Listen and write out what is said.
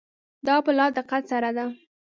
دا په لا دقت سره ده.